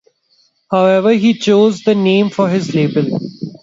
However, he chose the name for his label.